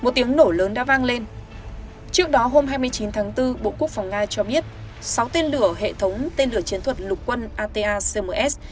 trước đó hôm hai mươi chín tháng bốn bộ quốc phòng nga cho biết sáu tên lửa hệ thống tên lửa chiến thuật lục quân ata cms